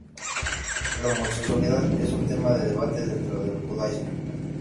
La homosexualidad es un tema de debate dentro del judaísmo.